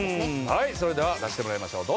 はいそれでは出してもらいましょう。